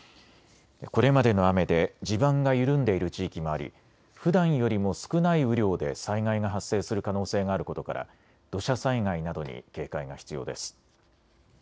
これまでの雨で地盤が緩んでいる地域もあり、ふだんよりも少ない雨量で災害が発生する可能性があることから土砂災害などに警戒が必要です。